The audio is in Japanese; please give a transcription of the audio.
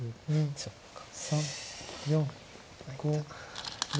そっか。